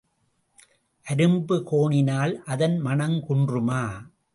அரும்பு கோணினால் அதன் மணம் குன்றுமா?